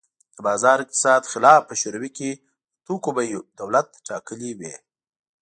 د بازار اقتصاد خلاف په شوروي کې د توکو بیې دولت ټاکلې وې